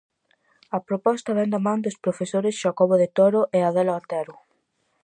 A proposta vén da man dos profesores Xacobo de Toro e Adela Otero.